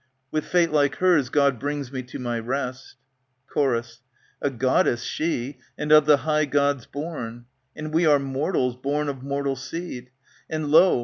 With fate like hers God brings me to my rest. Cho?\ A Goddess she, and of the high Gods born ;^ And we are mortals, born of mortal seed. *And lo